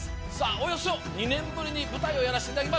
およそ２年ぶりに舞台をやらせていただきます。